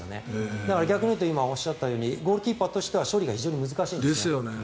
だから逆に言うと今おっしゃったようにゴールキーパーとしては処理が難しいボール。